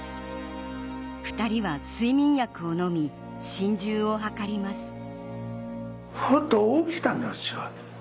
２人は睡眠薬を飲み心中を図ります